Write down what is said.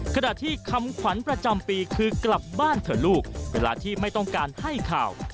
ขณะที่คำขวัญประจำปีคือกลับบ้านเถอะลูกเวลาที่ไม่ต้องการให้ข่าว